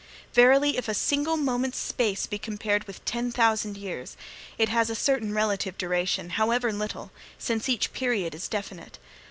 Verily, if a single moment's space be compared with ten thousand years, it has a certain relative duration, however little, since each period is definite.